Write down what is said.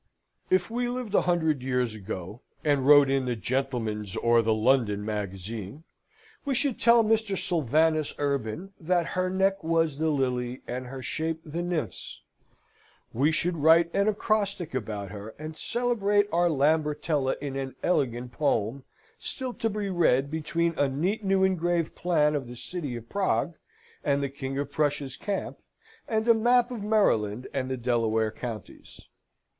If we lived a hundred years ago, and wrote in the Gentleman's or the London Magazine, we should tell Mr. Sylvanus Urban that her neck was the lily, and her shape the nymph's: we should write an acrostic about her, and celebrate our Lambertella in an elegant poem, still to be read between a neat new engraved plan of the city of Prague and the King of Prussia's camp, and a map of Maryland and the Delaware counties.